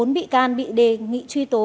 bốn bị can bị đề nghị truy tố